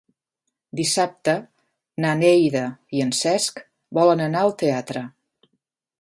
Dissabte na Neida i en Cesc volen anar al teatre.